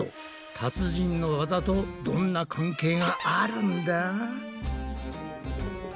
達人の技とどんな関係があるんだ？